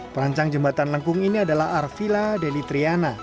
perancang jembatan lengkung ini adalah arvila delitriana